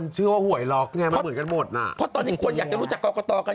เมื่อเกี่ยวกันประเทศไทย